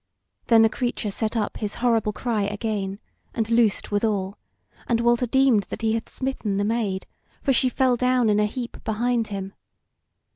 Then the creature set up his horrible cry again, and loosed withal, and Walter deemed that he had smitten the Maid, for she fell down in a heap behind him.